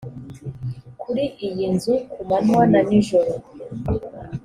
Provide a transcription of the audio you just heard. kuri iyi nzu ku manywa na nijoro